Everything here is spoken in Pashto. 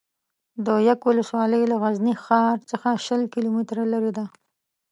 ده یک ولسوالي له غزني ښار څخه شل کیلو متره لري ده